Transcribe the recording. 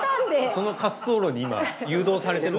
その滑走路に今誘導されてる？